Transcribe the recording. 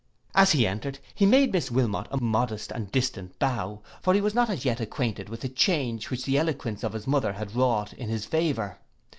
As he entered, he made Miss Wilmot a modest and distant bow, for he was not as yet acquainted with the change which the eloquence of his mother had wrought in his favour.